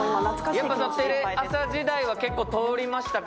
よくテレ朝時代は結構通りましたか？